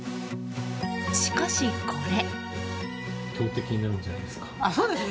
しかし、これ。